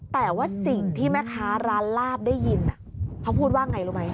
แต่ว่าสิ่งที่แม่ค้าร้านลาบได้ยินเขาพูดว่าไงรู้ไหม